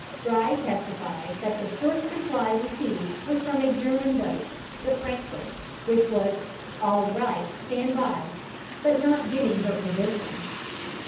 Bride testified that the first reply received was from a German boat, the Frankfurt, which was: "All right: stand by," but not giving her position.